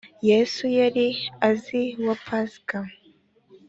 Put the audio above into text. yesu yari azi wa pasika